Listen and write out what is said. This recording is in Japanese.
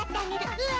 うわ！